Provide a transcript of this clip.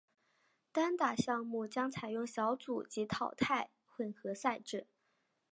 单打项目将采用小组及淘汰混合赛制。